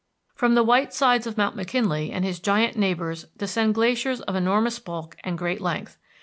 From the white sides of McKinley and his giant neighbors descend glaciers of enormous bulk and great length.